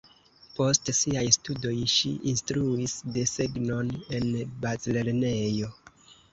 Post siaj studoj ŝi insrtruis desegnon en bazlernejo.